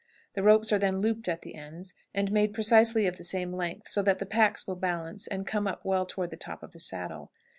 The ropes are then looped at the ends, and made precisely of the same length, so that the packs will balance and come up well toward the top of the saddle.